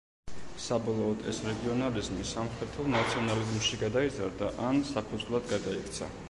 საბოლოოდ ეს რეგიონალიზმი სამხრეთულ ნაციონალიზმში გადაიზარდა ან „საფუძვლად“ გადაიქცა.